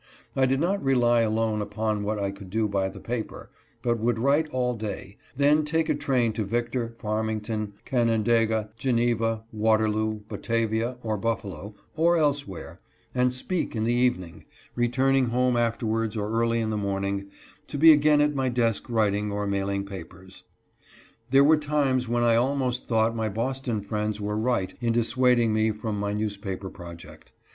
I did not rely alone upon what I could do by the paper, but would write all day, then take a train to Victor, Farmington, Canan daigua, Geneva, Waterloo, Batavia, or Buffalo, or else where, and speak in the evening, returning home after wards or early in the morning, to be again at my desk writing or mailing papers. There were times when I almost thought my Boston friends were right in dis suading me from my newspaper project.